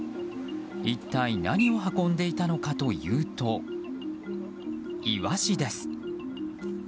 一体何を運んでいたのかというとイワシです。